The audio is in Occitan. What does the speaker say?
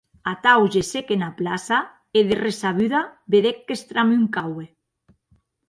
Atau gessec ena plaça e de ressabuda vedec qu'estramuncaue.